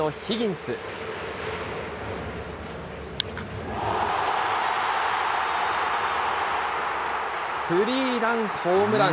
スリーランホームラン。